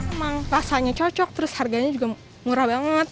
emang rasanya cocok terus harganya juga murah banget